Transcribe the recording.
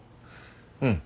うん。